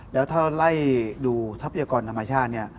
แล้วถ้าไล่ดูทรัพยากรธรรมชาติเนี่ย